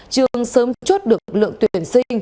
trường sớm chốt được lượng tuyển sinh